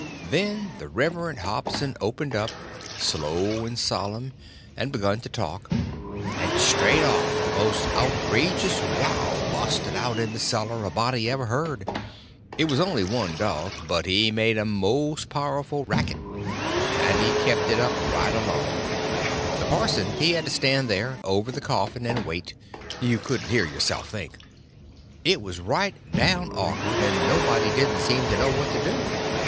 Then the Reverend Hobson opened up, slow and solemn, and begun to talk; and straight off the most outrageous row busted out in the cellar a body ever heard; it was only one dog, but he made a most powerful racket, and he kept it up right along; the parson he had to stand there, over the coffin, and wait—you couldn't hear yourself think. It was right down awkward, and nobody didn't seem to know what to do.